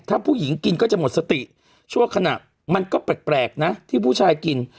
ถ้าผู้หญิงกินก็จะหมดสติชั่วขณะมันก็แปลกนะที่ผู้ชายกิน